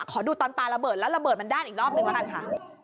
ขอดูตอนปลาระเบิดแล้วระเบิดมันด้านอีกรอบหนึ่งแล้วกันค่ะ